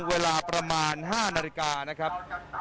เวลาประมาณ๕นาฬิกานะครับ